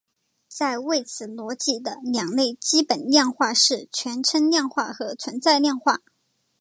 在谓词逻辑的两类基本量化是全称量化和存在量化。